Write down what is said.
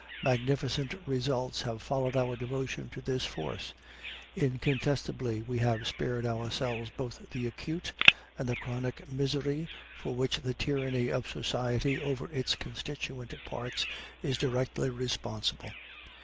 Magnificent results have followed our devotion to this force; incontestably, we have spared ourselves both the acute and the chronic misery for which the tyranny of society over its constituent parts is directly responsible.